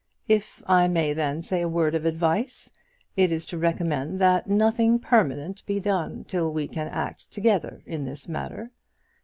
If I may then say a word of advice, it is to recommend that nothing permanent be done till we can act together in this matter.